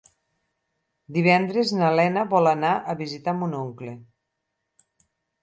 Divendres na Lena vol anar a visitar mon oncle.